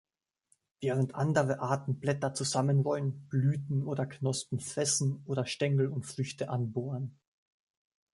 Während andere Arten Blätter zusammenrollen, Blüten oder Knospen fressen oder Stängel und Früchte anbohren.